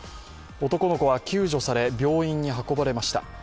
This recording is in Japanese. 男の子は救助され病院に運ばれました。